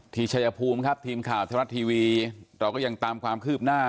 ทีชัยภูมิครับทีมข่าวทะแลสตรรตรีวีเราก็ยังตามความครืบหน้า